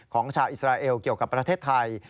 ของชาวอิสราเอลเกี่ยวกับประเทศไทย